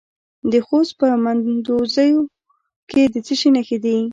د خوست په مندوزیو کې د څه شي نښې دي؟